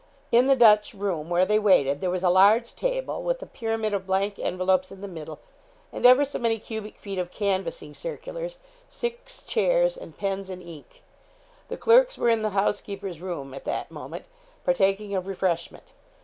In the Dutch room, where they waited, there was a large table, with a pyramid of blank envelopes in the middle, and ever so many cubic feet of canvassing circulars, six chairs, and pens and ink. The clerks were in the housekeeper's room at that moment, partaking of refreshment.